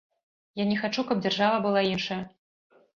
Я не хачу, каб дзяржава была іншая.